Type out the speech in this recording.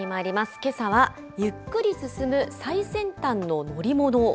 けさはゆっくり進む最先端の乗り